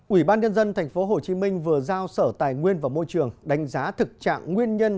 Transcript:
ủy ban nhân dân tp hcm vừa giao sở tài nguyên và môi trường đánh giá thực trạng nguyên nhân